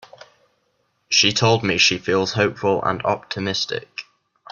She told me she feels hopeful and optimistic.